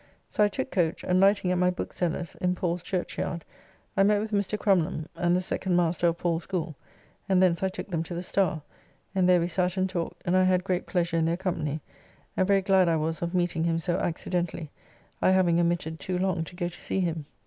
So I took coach, and lighting at my bookseller's in Paul's Churchyard, I met with Mr. Crumlum and the second master of Paul's School, and thence I took them to the Starr, and there we sat and talked, and I had great pleasure in their company, and very glad I was of meeting him so accidentally, I having omitted too long to go to see him.